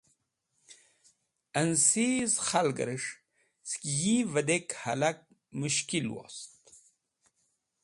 Ẽnsiz khalgẽres̃h sẽk yi vẽdek hẽlak mushkil wost